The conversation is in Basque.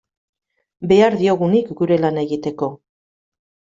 Behar diogunik gure lana egiteko.